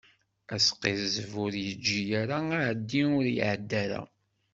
Asqizzeb, ur yeǧǧi ara; aεeddi, ur iεedda ara.